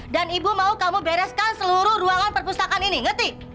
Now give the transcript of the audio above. dan ibu mau kamu bereskan seluruh ruangan perpustakaan ini ngerti